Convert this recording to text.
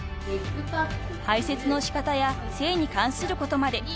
［排せつの仕方や性に関することまで］